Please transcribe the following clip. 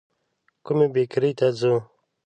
کومي بېکرۍ ته ځو ؟